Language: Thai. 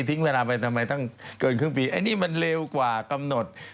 ทิ้งเวลาไปทำไมตั้งเกินครึ่งปีอันนี้มันเร็วกว่ากำหนด